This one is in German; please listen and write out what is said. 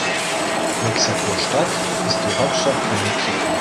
Mexiko-Stadt ist die Hauptstadt von Mexiko.